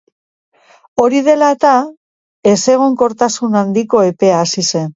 Hori dela eta, ezegonkortasun handiko epea hasi zen.